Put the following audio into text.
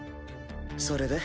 それで？